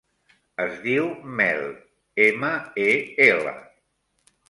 Es diu Mel: ema, e, ela.